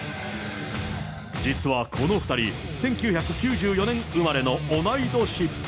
実はこの２人、１９９４年生まれの同い年。